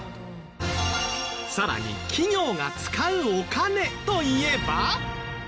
さらに企業が使うお金といえば。